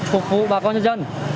phục vụ bà con nhân dân